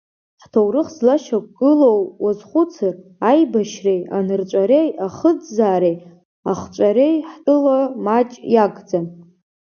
Ҳҭоурых злашьақәгылоу уазхәыцыр, аибашьреи, анырҵәареи, ахыӡӡаареи, ахҵәареи ҳтәыла маҷ иагӡам.